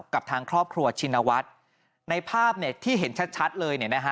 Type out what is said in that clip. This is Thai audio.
กับทางครอบครัวชินวัฒน์ในภาพเนี่ยที่เห็นชัดเลยเนี่ยนะฮะ